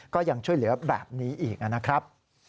ก็ยังช่วยเหลือแบบนี้อีกนะครับ